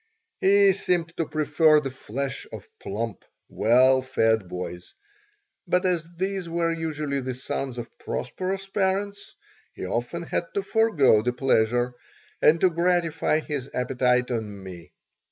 He seemed to prefer the flesh of plump, well fed boys, but as these were usually the sons of prosperous parents, he often had to forego the pleasure and to gratify his appetite on me.